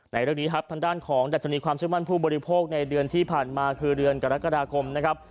ในเรื่องนี้ครับทางด้านของดัชนีความเชื่อมั่นผู้บริโภคในเดือนที่ผ่านมาคือเดือนกรกฎาคมนะครับ